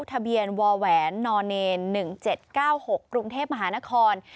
ทะเบียนวแหวนน๑๗๙๖กรุงเทพมหานคร